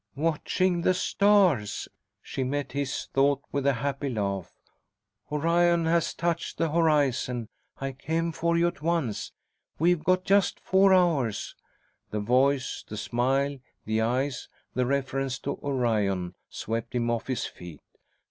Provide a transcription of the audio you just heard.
"Watching the stars," she met his thought with a happy laugh. "Orion has touched the horizon. I came for you at once. We've got just four hours!" The voice, the smile, the eyes, the reference to Orion, swept him off his feet.